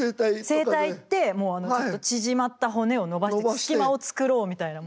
整体行ってもう縮まった骨をのばして隙間を作ろうみたいな。